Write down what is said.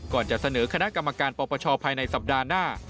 จะเสนอคณะกรรมการปปชภายในสัปดาห์หน้า